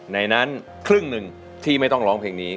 ในนั้นครึ่งหนึ่งที่ไม่ต้องร้องเพลงนี้